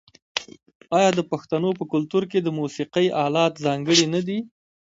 آیا د پښتنو په کلتور کې د موسیقۍ الات ځانګړي نه دي؟